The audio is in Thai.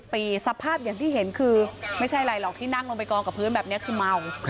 ปีสภาพอย่างที่เห็นคือไม่ใช่อะไรหรอกที่นั่งลงไปกองกับพื้นแบบนี้คือเมา